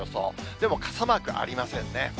でも傘マークありませんね。